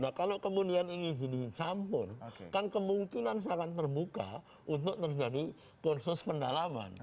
nah kalau kemudian ini jadi dicampur kan kemungkinan saya akan terbuka untuk terjadi khusus pendalaman